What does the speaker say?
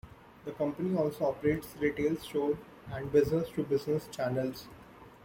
The company also operates retail store and business-to-business channels.